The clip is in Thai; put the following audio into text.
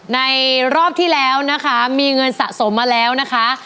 ในรอบที่แล้วนะคะมีเงินสะสมมาแล้วนะคะ